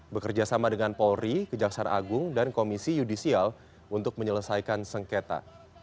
bekerjasama dengan polri kejaksan agung dan komisi yudisial untuk menyelesaikan sengketa